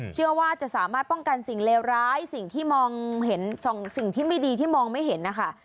เชื่อว่าจะสามารถป้องกันสิ่งเลวร้ายสิ่งที่ไม่ดีที่มองไม่เห็นนะคะ